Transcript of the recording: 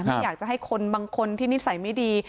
ไม่อยากจะให้คนบางคนที่นิสัยไม่ดี